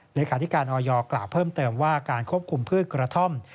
เลขาธิการออยกล่าวเพิ่มเติมว่าการควบคุมพืชกระท่อม